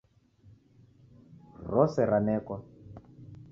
Rose ranekwa